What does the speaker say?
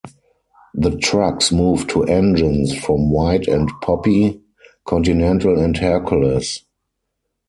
The trucks moved to engines from White and Poppe, Continental and Hercules.